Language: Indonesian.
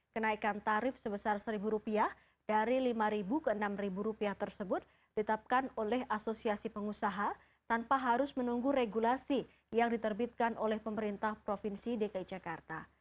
kenaikan tarif sebesar rp satu dari rp lima ke rp enam tersebut ditetapkan oleh asosiasi pengusaha tanpa harus menunggu regulasi yang diterbitkan oleh pemerintah provinsi dki jakarta